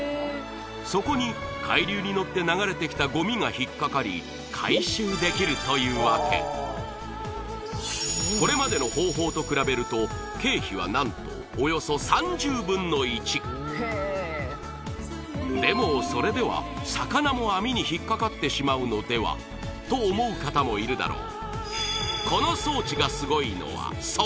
そこに海流に乗って流れてきたごみが引っかかり回収できるというわけこれまでの方法と比べると経費は何とおよそ３０分の１でもそれではと思う方もいるだろう